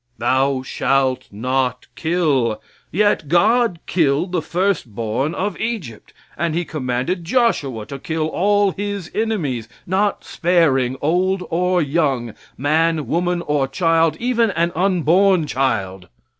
Thou shalt not kill, yet God killed the first born of Egypt, and he commanded Joshua to kill all His enemies, not sparing old or young, man, woman or child, even an unborn child.